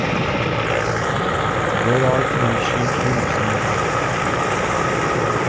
There are Phoenician tombs nearby.